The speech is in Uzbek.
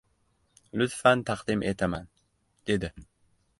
— Lutfan taqdim etaman! — dedi.